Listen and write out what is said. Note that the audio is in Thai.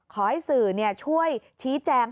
ขอให้สื่อช่วยชี้แจง